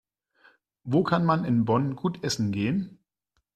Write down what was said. Wo kann man in Bonn gut essen gehen?